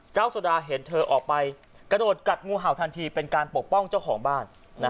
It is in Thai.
สุดาเห็นเธอออกไปกระโดดกัดงูเห่าทันทีเป็นการปกป้องเจ้าของบ้าน